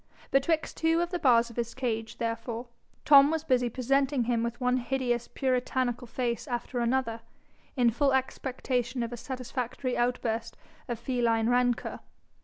Betwixt two of the bars of his cage, therefore, Tom was busy presenting him with one hideous puritanical face after another, in full expectation of a satisfactory outburst of feline rancour.